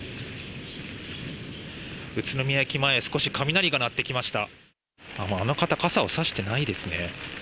宇都宮駅前少し雷が鳴ってきました。